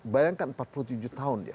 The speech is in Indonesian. bayangkan empat puluh tujuh tahun ya